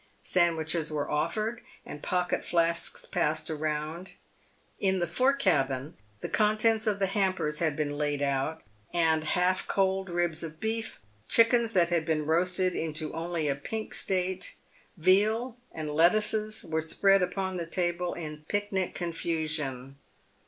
Sandwiches were offered, and pocket flasks passed round. In the fore cabin the contents of the hampers had been laid out, and half cold ribs of beef, chickens that had been roasted into only a pink state, veal, and lettuces, w ere spread upon the table in picnic confusion.